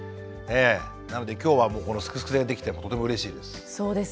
なので今日はもうこの「すくすく」でできてとてもうれしいです。